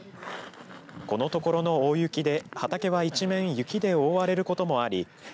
このところの大雪で畑は一面雪で覆われることもあり